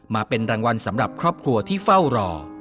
มาเป็นรางวัลสำหรับครอบครัวที่เฝ้ารอ